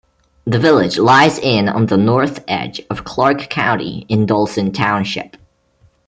The village lies in on the north edge of Clark County in Dolson Township.